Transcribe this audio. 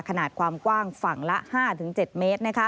ขนาดความกว้างฝั่งละ๕๗เมตร